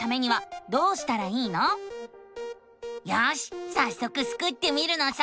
よしさっそくスクってみるのさ！